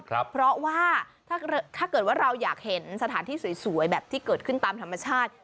เพราะว่าถ้าเกิดว่าเราอยากเห็นสถานที่สวยแบบที่เกิดขึ้นตามธรรมชาติ